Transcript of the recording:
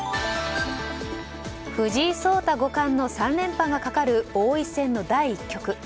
藤井聡太五冠の三連覇がかかる王位戦の第１局。